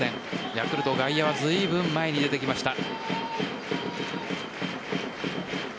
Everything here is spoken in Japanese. ヤクルト外野はずいぶん前に出てきました。